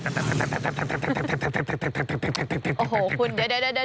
โอ้โหคุณเดี๋ยว